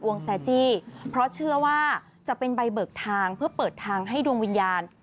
แซจี้เพราะเชื่อว่าจะเป็นใบเบิกทางเพื่อเปิดทางให้ดวงวิญญาณ